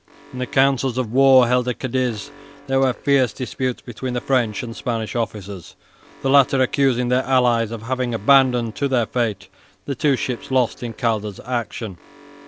In the councils of war held at Cadiz there were fierce disputes between the French and Spanish officers, the latter accusing their allies of having abandoned to their fate the two ships lost in Calder's action.